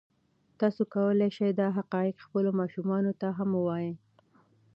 تاسو کولی شئ دا حقایق خپلو ماشومانو ته هم ووایئ.